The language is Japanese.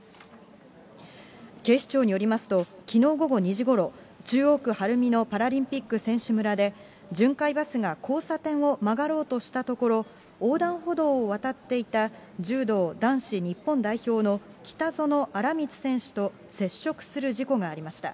警視庁によりますと、きのう午後２時ごろ、中央区晴海のパラリンピック選手村で、巡回バスが交差点を曲がろうとしたところ、横断歩道を渡っていた柔道男子日本代表の北薗新光選手と接触する事故がありました。